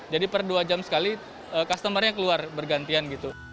jadi per dua jam sekali customernya keluar bergantian